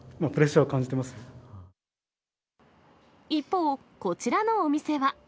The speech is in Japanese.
まあ、一方、こちらのお店は。